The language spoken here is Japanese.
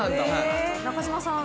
中島さん